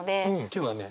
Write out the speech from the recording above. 今日はね